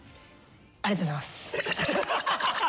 ありがとうございます。